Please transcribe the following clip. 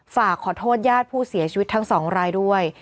ฝากขอโทษญาติผู้เสียชีวิตทั้งสองรายด้วย